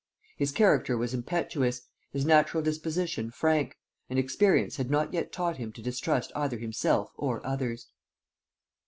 His character was impetuous, his natural disposition frank; and experience had not yet taught him to distrust either himself or others.